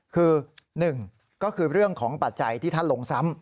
คือ๑ก็คือเรื่องของปัจจัยที่ท่านลงซ้ำ